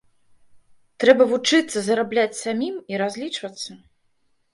Трэба вучыцца зарабляць самім і разлічвацца.